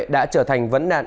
đã trở thành vấn nạn